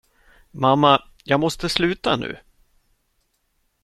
Mamma, jag måste sluta nu.